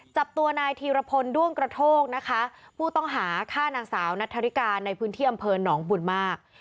จับตัวนายธีรพลด้วงกระโทกนะคะผู้ต้องหาฆ่านางสาวนัทธริกาในพื้นที่อำเภอหนองบุญมาก